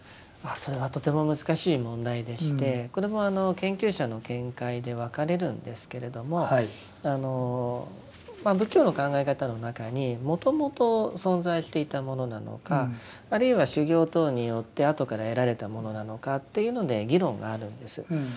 それはとても難しい問題でしてこれもあの研究者の見解で分かれるんですけれども仏教の考え方の中にもともと存在していたものなのかあるいは修行等によってあとから得られたものなのかというので議論があるんです。